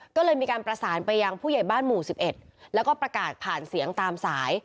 ก็เลยมีการประสานไปยังผู้ใหญ่บ้านหมู่๑๑แล้วก็ประกาศผ่านเสียงตามสาย